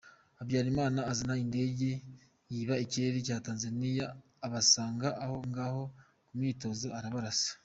Habyarima azana indege yiba ikirere cya Tanzania abasanga aho ngaho ku myitozo arabarasa.